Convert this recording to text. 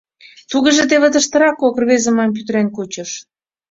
Тугеже теве тыштырак кок рвезе мыйым пӱтырен кучыш...